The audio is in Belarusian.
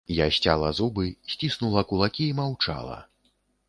Я сцяла зубы, сціснула кулакі і маўчала.